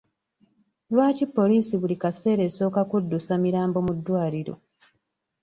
Lwaki poliisi buli kaseera esooka kuddusa mirambo mu ddwaliro?